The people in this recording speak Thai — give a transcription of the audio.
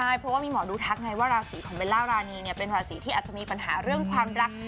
ใช่เพราะว่ามีหมอดูทักไงว่าราศีของเบลล่ารานีเนี่ยเป็นราศีที่อาจจะมีปัญหาเรื่องความรัก